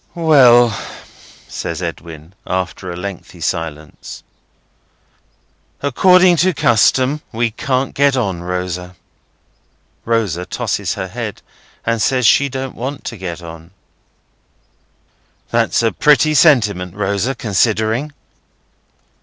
"Well!" says Edwin, after a lengthy silence. "According to custom. We can't get on, Rosa." Rosa tosses her head, and says she don't want to get on. "That's a pretty sentiment, Rosa, considering."